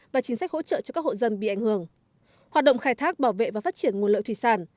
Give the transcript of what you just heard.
và chính sách hỗ trợ cho các hộ dân bị ảnh hưởng hoạt động khai thác bảo vệ và phát triển nguồn lợi thủy sản